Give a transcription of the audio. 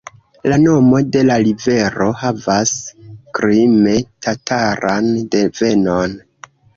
La nomo de la rivero havas krime-tataran devenon.